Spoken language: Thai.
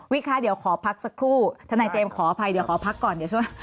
วิ๊กค่ะเดี๋ยวขอพักสักครู่ธนายเจมส์ขออภัยเดี๋ยวขอพักก่อน